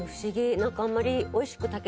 なんかあんまり。